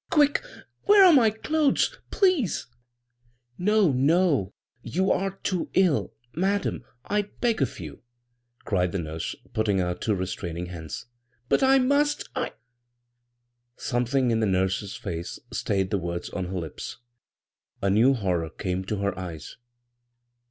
Quick, where are my clothes, please ?" 56 bGooglt' CROSS CURRENTS " No, no, you are too ill I Madam, I beg of you," cried the nurse, putting out two re straining hands. " But I must 1 " Something in the nurse's face stayed the words on her lips. A new horror came to her eyes.